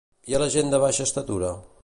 I a la gent de baixa estatura?